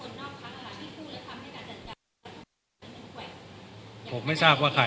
กับเสียงนอกครับคนนอกครับที่พูดแล้วทำให้การ